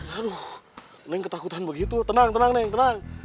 aduh neng ketakutan begitu tenang tenang neng tenang